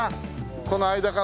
この間から。